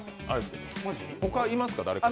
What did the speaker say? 他いますか、誰か？